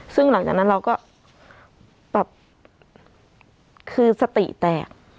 ซึ่งหลังจากนั้นเราก็แบบคือสติแตก